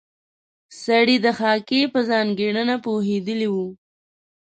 سړی د خاکې په ځانګړنه پوهېدلی و.